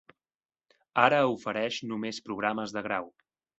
Ara ofereix només programes de grau.